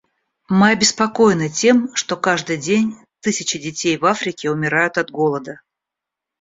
Мы обеспокоены тем, что каждый день тысячи детей в Африке умирают от голода.